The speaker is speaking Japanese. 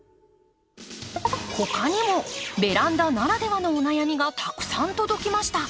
他にもベランダならではのお悩みがたくさん届きました。